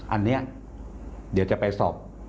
อันนี้เดี๋ยวจะไปสอบ